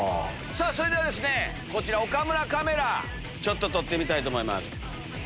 それではですね岡村カメラ撮ってみたいと思います。